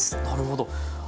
なるほど。